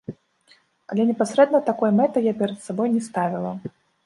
Але непасрэдна такой мэты я перад сабой не ставіла.